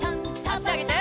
あしあげて。